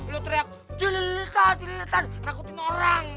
lo teriak cililitan cililitan nakutin orang